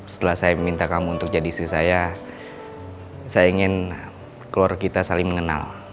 setelah saya minta kamu untuk jadi istri saya saya ingin keluarga kita saling mengenal